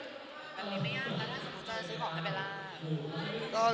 แบบนี้ไม่ยากนะครับสมมติว่าจะบอกในเวลา